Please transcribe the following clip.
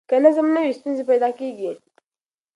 که نظم نه وي، ستونزې پیدا کېږي.